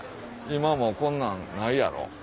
今もうこんなんないやろ。